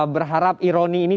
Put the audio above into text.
berharap ironi ini